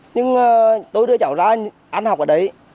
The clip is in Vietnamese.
nhưng tôi đưa cháu ra ăn học ở đấy